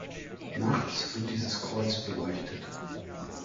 Nachts wird dieses Kreuz beleuchtet.